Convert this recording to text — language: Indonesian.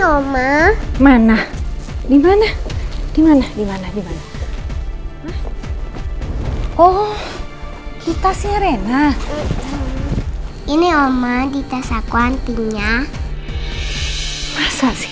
oma mana dimana dimana dimana dimana oh kita sih rena ini oma di tas aku antingnya masa sih